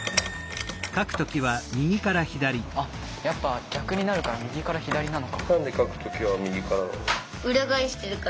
あっやっぱ逆になるから右から左なのか。